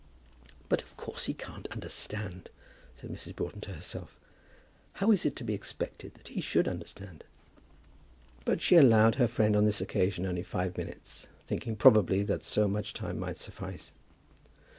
"But of course he can't understand," said Mrs. Broughton to herself. "How is it to be expected that he should understand?" But she allowed her friend on this occasion only five minutes, thinking probably that so much time might suffice.